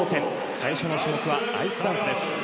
最初の種目はアイスダンスです。